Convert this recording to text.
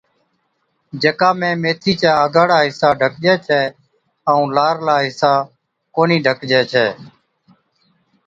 جڪا ۾ ميٿِي چا اگا ھاڙا حصا ڍڪجَي ڇَي ائُون لارلا حصا ڪونھِي ڍڪجَي ڇَي